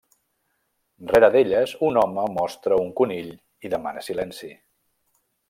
Rere d'elles, un home mostra un conill i demana silenci.